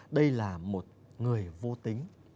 đây là một người vô tính